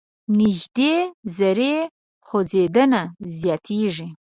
نژدې ذرې خوځیدنه زیاتیږي.